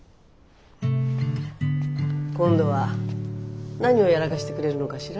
今度は何をやらかしてくれるのかしら？